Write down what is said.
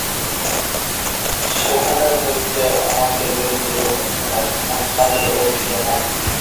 সেখানে হইতে আমাকে লইতে লোক আসে নাই, আমার স্বামীরও এ-বিষয়ে মত নাই।